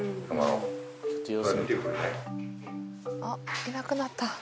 あっいなくなった。